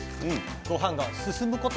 ごはんが進むこと